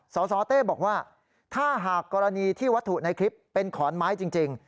สสเต้บอกว่าถ้าหากกรณีที่วัตถุในคลิปเป็นขอนไม้จริง